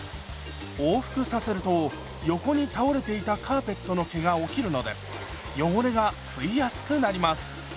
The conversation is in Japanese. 往復させると横に倒れていたカーペットの毛が起きるので汚れが吸いやすくなります。